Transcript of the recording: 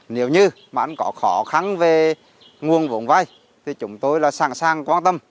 nếu như mà có khó khăn về nguồn vốn vay thì chúng tôi là sẵn sàng quan tâm